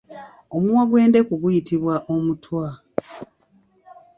Omumwa gw’endeku guyitibwa omutwa.